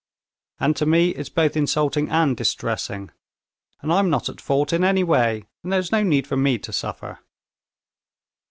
"And to me it's both insulting and distressing! And I'm not at fault in any way, and there's no need for me to suffer."